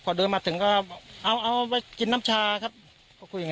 พอเดินมาถึงก็เอาเอาไปกินน้ำชาครับก็คุยอย่าง